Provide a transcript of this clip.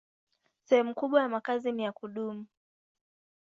Sehemu kubwa ya makazi ni ya kudumu.